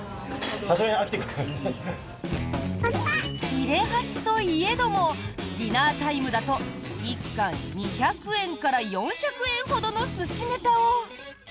切れ端といえどもディナータイムだと１貫２００円から４００円ほどの寿司ネタを。